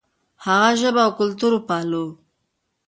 خپله ژبه او کلتور وپالو.